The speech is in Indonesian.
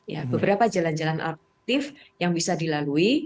ya beberapa jalan jalan alternatif yang bisa dilalui